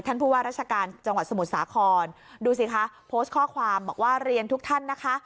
ผู้ว่าราชการจังหวัดสมุทรสาครดูสิคะโพสต์ข้อความบอกว่าเรียนทุกท่านนะคะ